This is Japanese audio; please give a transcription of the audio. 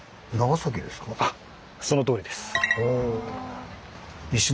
あっそのとおりです。